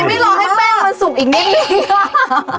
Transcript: ทำไมไม่รอให้แม่งศุกร์อีกนิดนึง